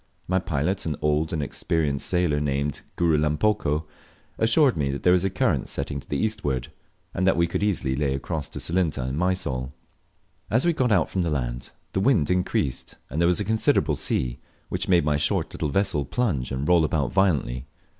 My pilot, an old and experienced sailor, named Gurulampoko, assured me there was a current setting to the eastward, and that we could easily lay across to Silinta, in Mysol. As we got out from the land the wind increased, and there was a considerable sea, which made my short little vessel plunge and roll about violently.